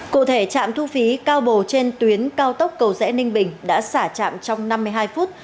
cụ thể trạm thu phí cao bồ trên tuyến cao tốc cầu rẽ ninh bình đã xả trạm trong năm mươi hai phút